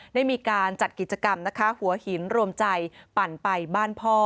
ได้มีการจัดกิจกรรมนะคะหัวหินรวมใจปั่นไปบ้านพ่อ